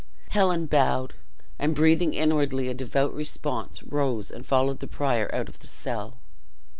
Helen bowed, and breathing inwardly a devout response, rose and followed the prior out of the cell.